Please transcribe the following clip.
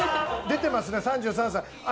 出てますね、３３歳。